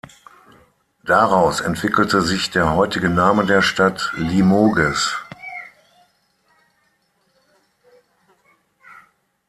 Daraus entwickelte sich der heutige Name der Stadt, Limoges.